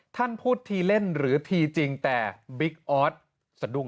ท่านพูดทีเล่นหรือทีจริงแต่บิ๊กออสสะดุ้ง